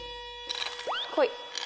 こい！